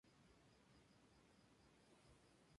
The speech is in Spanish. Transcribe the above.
Jack Mercer pone voz a los diferentes personajes.